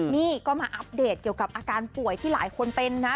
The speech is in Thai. นี่ก็มาอัปเดตเกี่ยวกับอาการป่วยที่หลายคนเป็นนะ